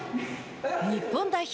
日本代表